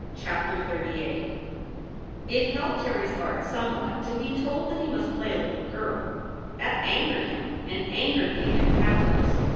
CHAPTER XXXVIII IT helped Terry s art somewhat to be told that he must play a little girl. That angered him and anger gave him pathos.